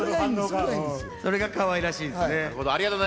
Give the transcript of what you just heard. それが、かわいらしいんです